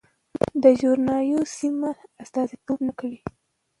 دا ژورنال د یوې سیمې استازیتوب نه کوي.